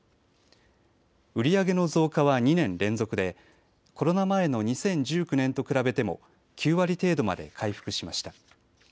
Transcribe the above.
売り上げの増加は２年連続でコロナ前の２０１９年と比べても９割程度まで回復しました。